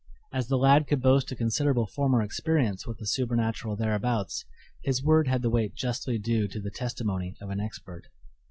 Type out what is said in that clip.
As the lad could boast a considerable former experience with the supernatural thereabouts his word had the weight justly due to the testimony of an expert.